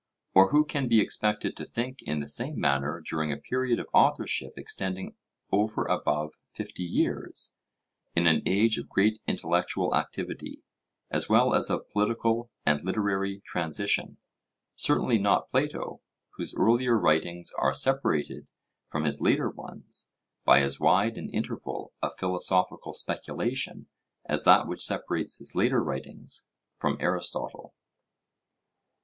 Or who can be expected to think in the same manner during a period of authorship extending over above fifty years, in an age of great intellectual activity, as well as of political and literary transition? Certainly not Plato, whose earlier writings are separated from his later ones by as wide an interval of philosophical speculation as that which separates his later writings from Aristotle.